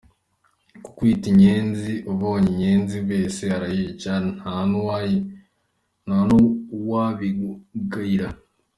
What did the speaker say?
Kukwita inyenzi, ubonye inyenzi wese arayica, nta n’uwabikugayira.